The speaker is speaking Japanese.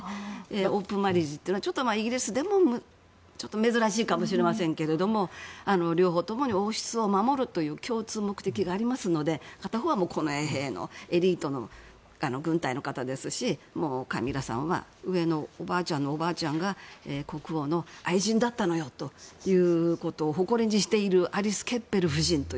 オープンマリッジというのはイギリスでもちょっと珍しいかもしれませんけれど両方ともに、王室を守るという共通目的がありますので片方は近衛兵のエリートの方ですしカミラさんは上のおばあちゃんのおばあちゃんが国王の愛人だったのよということを誇りにしている方ですね。